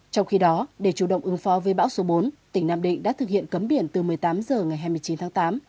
trong khi đó để chủ động ứng phó với bão số bốn tỉnh nam định đã thực hiện cấm biển từ một mươi tám h ngày hai mươi chín tháng tám